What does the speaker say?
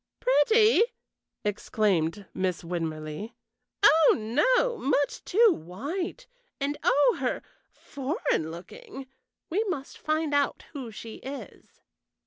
"Pretty!" exclaimed Miss Winmarleigh. "Oh no! Much too white, and, oh er foreign looking. We must find out who she is."